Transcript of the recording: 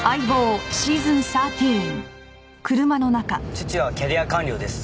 父はキャリア官僚です。